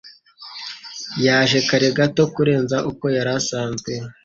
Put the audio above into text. Yaje kare gato kurenza uko yari asanzwe.